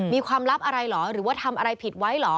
ความลับอะไรเหรอหรือว่าทำอะไรผิดไว้เหรอ